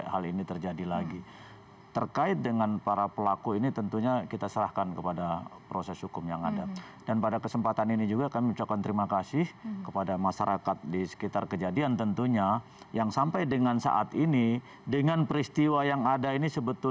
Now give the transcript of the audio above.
harapan kita seperti itu